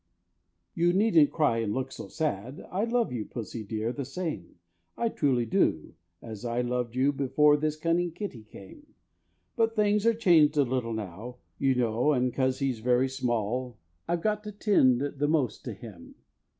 You needn't cry and look so sad; I love you, pussy dear, the same I truly do as I loved you Before this cunning kitty came; But things are changed a little now, You know, and 'cause he's very small, I've got to 'tend the most to him.